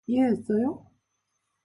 이해했어요?